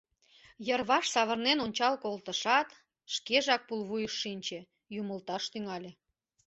Йырваш савырнен ончал колтышат, шкежак пулвуйыш шинче, юмылташ тӱҥале: